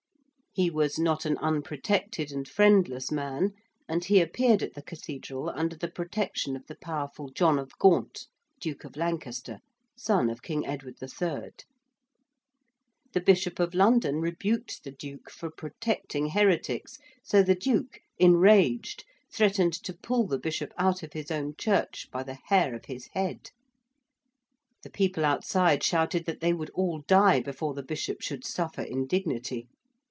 He was not an unprotected and friendless man, and he appeared at the Cathedral under the protection of the powerful John of Gaunt, Duke of Lancaster, son of King Edward III. The Bishop of London rebuked the Duke for protecting heretics, so the Duke, enraged, threatened to pull the Bishop out of his own church by the hair of his head. The people outside shouted that they would all die before the Bishop should suffer indignity.